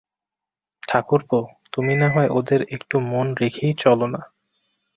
ঠাকুরপো, তুমি নাহয় ওদের একটু মন রেখেই চলো না।